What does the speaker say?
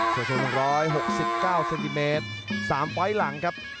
ส่วน๑๖๙เซนติเมตร๓ไฟล์หลังครับ